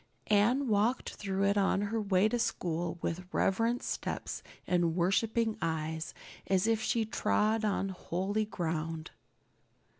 Anne walked through it on her way to school with reverent steps and worshiping eyes, as if she trod on holy ground.